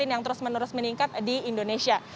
yang terus menerus meningkat di indonesia